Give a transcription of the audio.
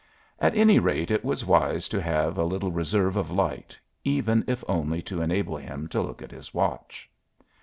At any rate it was wise to have a little reserve of light, even if only to enable him to look at his watch.